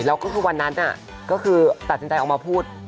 แล้วก็คือวันนั้นออกมาพูด